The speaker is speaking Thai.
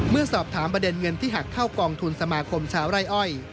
เมื่อสอบถามประเด็นเงินที่หักเข้ากองทุนสมาคมชาวไร่อ้อย